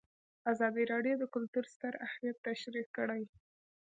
ازادي راډیو د کلتور ستر اهميت تشریح کړی.